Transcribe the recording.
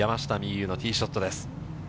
夢有のティーショットです。